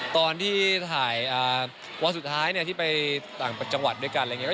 ตอนที่ถ่ายวันสุดท้ายที่ไปต่างจังหวัดด้วยกันอะไรอย่างนี้